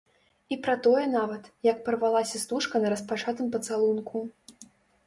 І пра тое нават, як парвалася стужка на распачатым пацалунку.